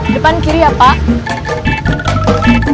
depan kiri ya pak